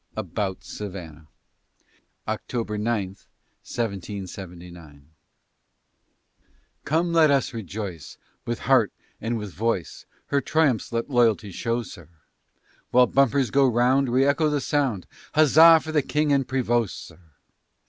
ABOUT SAVANNAH [October 9, 1779] Come let us rejoice, With heart and with voice, Her triumphs let loyalty show, sir, While bumpers go round, Reëcho the sound, Huzza for the King and Prevost, sir.